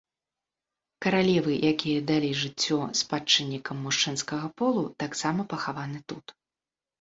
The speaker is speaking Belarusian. Каралевы, якія далі жыццё спадчыннікам мужчынскага полу, таксама пахаваны тут.